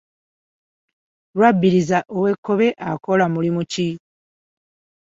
Lwabiriza ow’e Kkobe akola mulimu ki?